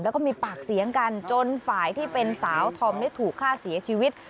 แล้วก็มีปากเสียงกันจนฝ่ายที่เป็นสาวธอมได้ถูกฆ่าเสียชีวิต